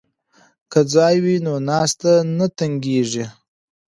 که ځای وي نو ناسته نه تنګیږي.